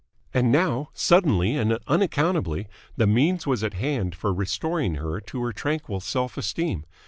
And now, suddenly and unaccountably, the means was at hand for restoring her to her tranquil self esteem.